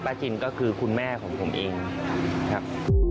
จินก็คือคุณแม่ของผมเองครับ